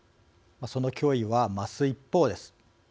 その脅威は増す一方です。